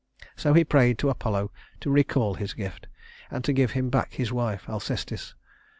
So he prayed to Apollo to recall his gift, and to give him back his wife Alcestis.